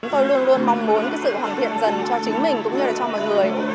tôi luôn luôn mong muốn sự hoàn thiện dần cho chính mình cũng như cho mọi người